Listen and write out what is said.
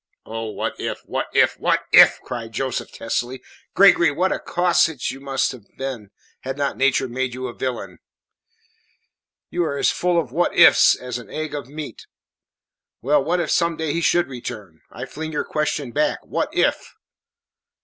"Oh, what if what if what if!" cried Joseph testily. "Gregory, what a casuist you might have been had not nature made you a villain! You are as full of "what if s" as an egg of meat. Well what if some day he should return? I fling your question back what if?"